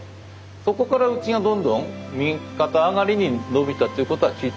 そこからうちがどんどん右肩上がりに伸びたということは聞いてるし。